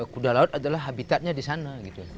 kuda laut adalah habitatnya di sana